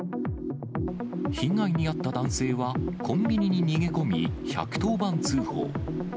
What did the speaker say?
被害に遭った男性は、コンビニに逃げ込み、１１０番通報。